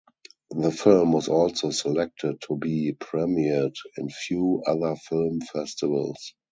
The film was also selected to be premiered in few other film festivals.